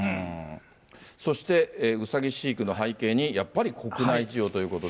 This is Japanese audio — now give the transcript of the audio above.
そして、うさぎ飼育の背景にやっぱり国内事情ということで。